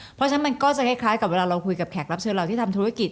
เพราะฉะนั้นมันก็จะคล้ายกับเวลาเราคุยกับแขกรับเชิญเราที่ทำธุรกิจ